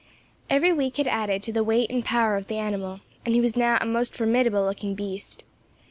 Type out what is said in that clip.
Every week had added to the weight and power of the animal, and he was now a most formidable looking beast.